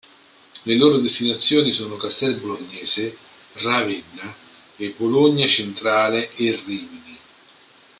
Le loro destinazioni sono Castel Bolognese, Ravenna e Bologna Centrale e Rimini.